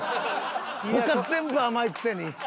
他全部甘いくせに。